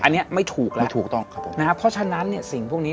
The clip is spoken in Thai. อันนี้ไม่ถูกแล้วไม่ถูกต้องครับผมนะครับเพราะฉะนั้นเนี่ยสิ่งพวกนี้